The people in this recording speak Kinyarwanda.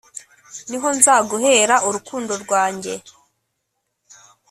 ni ho nzaguhera urukundo rwanjye